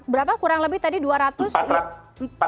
berapa kurang lebih tadi dua ratus